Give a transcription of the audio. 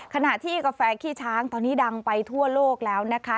ขณะที่กาแฟขี้ช้างตอนนี้ดังไปทั่วโลกแล้วนะคะ